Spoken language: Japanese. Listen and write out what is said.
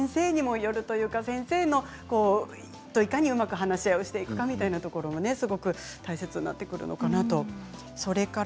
先生にもよるというか、先生とうまくいかに話し合いをするかというところも大切になってくるのかと思います。